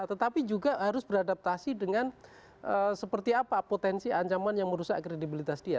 tetapi juga harus beradaptasi dengan seperti apa potensi ancaman yang merusak kredibilitas dia